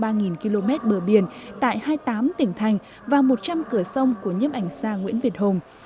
các bức ảnh được xếp theo ba km bờ biển tại hai mươi tám tỉnh thành và một trăm linh cửa sông của nhiếp ảnh gia nguyễn việt hùng